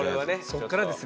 そっからですね。